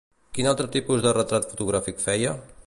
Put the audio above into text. Quin altre tipus de retrat fotogràfic feia?